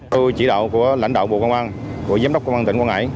tôi chỉ đạo của lãnh đạo bộ công an của giám đốc công an tỉnh quảng ngãi